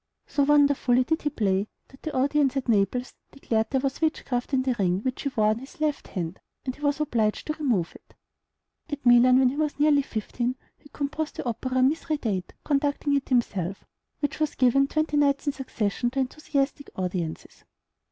So wonderfully did he play, that the audience at Naples declared there was witchcraft in the ring which he wore on his left hand, and he was obliged to remove it. At Milan, when he was nearly fifteen, he composed the opera "Mithridate," conducting it himself, which was given twenty nights in succession to enthusiastic audiences.